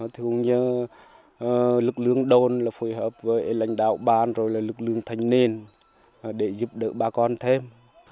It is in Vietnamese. thì cũng nhờ lực lượng đồn là phối hợp với lãnh đạo ban rồi là lực lượng thanh niên để giúp đỡ bà con thêm